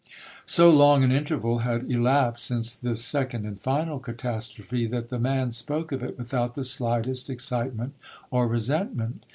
So long an interval had elapsed since this second and final catastrophe, that the man spoke of it without the slightest excitement or resentment.